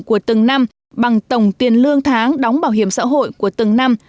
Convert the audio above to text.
của từng năm bằng tổng tiền lương tháng đóng bảo hiểm xã hội của từng năm